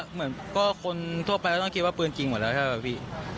เหมือนก็คนทั่วไปก็ต้องคิดว่าปืนจริงหมดแล้วใช่ป่ะพี่